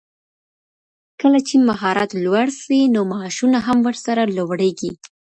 کله چی مهارت لوړ سي نو معاشونه هم ورسره لوړيږي.